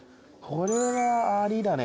これはありだね。